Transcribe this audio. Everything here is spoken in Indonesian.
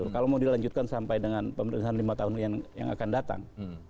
kalau mau dilanjutkan sampai dengan pemerintahan lima tahun yang akan datang